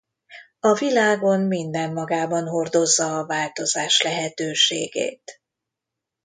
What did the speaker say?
A világon minden magában hordozza a változás lehetőségét.